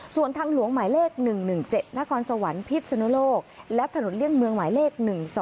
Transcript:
ส่วนทางหลวงหมายเลข๑๑๗นครสวรรค์พิษนุโลกและถนนเลี่ยงเมืองหมายเลข๑๒